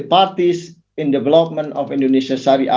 dalam pengembangan indonesia sharia